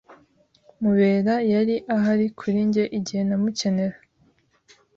Mubera yari ahari kuri njye igihe namukenera.